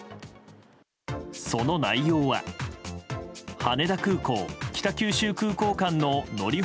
その内容は羽田空港北九州空港間の乗り